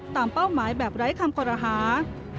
ตามเป้าหมายแบบไร้คำคนอาหาร